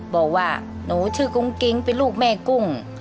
บอกว่าหนูชื่อกุ้งกิ๊งเป็นลูกแม่กุ้ง